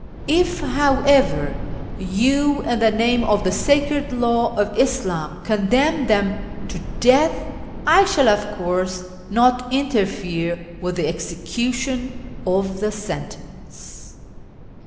If, however, you, in the name of the sacred hiw of IsLhn, condenni theiu to death, I shall, \:)i course, not interfere with the execution of the sentence.